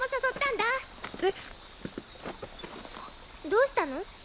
どうしたの？